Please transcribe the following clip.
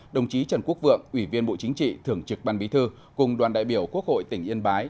đồng chí trần quốc vượng ủy viên bộ chính trị thưởng trực ban bí thư cùng đoàn đại biểu quốc hội tỉnh yên bái